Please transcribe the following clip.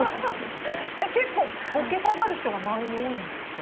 結構ボケたがる人が周りに多いんですか？